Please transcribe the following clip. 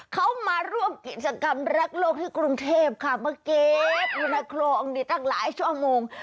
เขามาร่วมกิจกรรมรักโลกที่กรุงเทพค่ะมาเก็บอยู่ในคลองนี่ตั้งหลายชั่วโมง